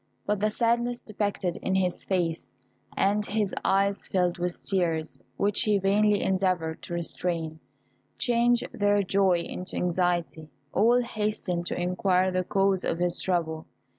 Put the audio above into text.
But the sadness depicted in his face, and his eyes filled with tears, which he vainly endeavoured to restrain, changed their joy into anxiety. All hastened to inquire the cause of his trouble.